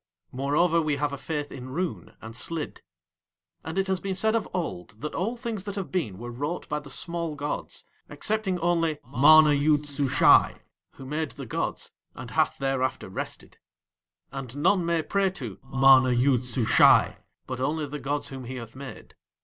Moreover, we have a faith in Roon and Slid. And it has been said of old that all things that have been were wrought by the small gods, excepting only MANA YOOD SUSHAI, who made the gods and hath thereafter rested. And none may pray to MANA YOOD SUSHAI but only the gods whom he hath made.